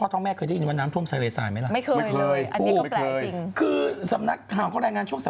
เอาน้ำท่วมหลายน้ำท่วมทะเลสายสาอุดูแล้วก็มันจะแปลกมากเลยนะ